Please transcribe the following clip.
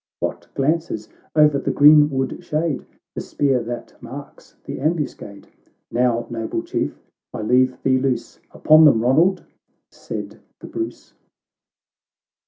— What glances o'er the green wood shade ?— The spear that marks the ambuscade !—" Now, noble Chief ! I leave thee loose ; Upon them, Ronald !" said the Bruce.